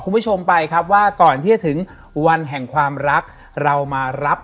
คุณผู้ชมไปครับว่าก่อนที่จะถึงวันแห่งความรักเรามารับ